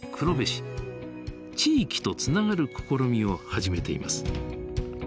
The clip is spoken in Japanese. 地域とつながる試みを始めています。